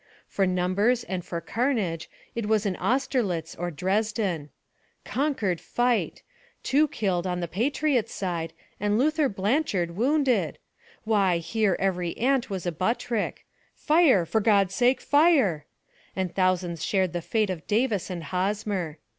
For numbers and for carnage it was an Austerlitz or Dresden. Concord Fight! Two killed on the patriots' side, and Luther Blanchard wounded! Why here every ant was a Buttrick,—"Fire! for God's sake fire!"—and thousands shared the fate of Davis and Hosmer.